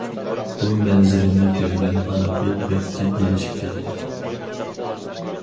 بۇ مەنزىرىنى كۆرگەن ئانا پىل بەك جىددىيلىشىپ كەتتى.